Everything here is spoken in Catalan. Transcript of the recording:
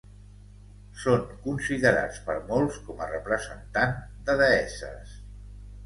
Són considerats per molts com a representant de deesses.